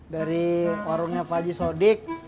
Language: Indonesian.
dari warungnya pak haji sodik